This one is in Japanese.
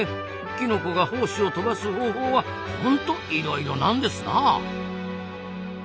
キノコが胞子を飛ばす方法はほんといろいろなんですなあ。